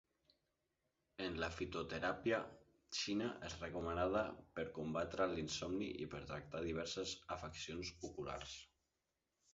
En la fitoteràpia xina és recomanada per combatre l'insomni i per tractar diverses afeccions oculars.